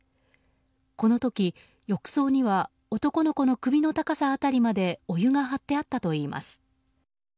この時、浴槽には男の子の首の高さまでお湯が張ってあったといいます。